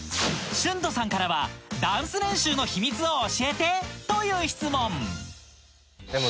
ＳＨＵＮＴＯさんからはダンス練習の秘密を教えてという質問